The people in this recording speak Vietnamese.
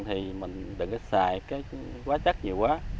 thì mình đừng có xài quá chất nhiều quá